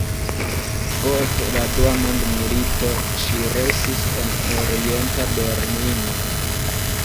Post la Dua mondmilito ŝi restis en Orienta Berlino.